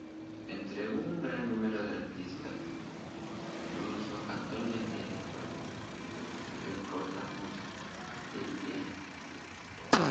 Entre el gran número de artistas rusos actualmente en París, recordamos el de Mme.